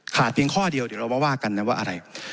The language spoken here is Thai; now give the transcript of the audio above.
เพียงข้อเดียวเดี๋ยวเรามาว่ากันนะว่าอะไร